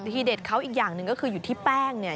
ทีเด็ดเขาอีกอย่างหนึ่งก็คืออยู่ที่แป้งเนี่ย